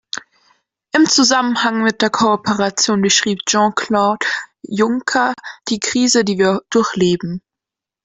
Im Zusammenhang mit der Kooperation beschrieb Jean-Claude Juncker die Krise, die wir durchleben.